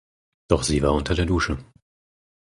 Doch sie war unter der Dusche.